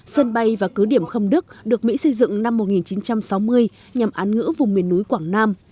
sân bay và cứ điểm khâm đức được mỹ xây dựng năm một nghìn chín trăm sáu mươi nhằm án ngữ vùng miền núi quảng nam